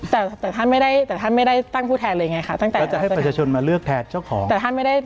แต่ท่านไม่ได้สร้างพวกท่านฟูแทนเลยไง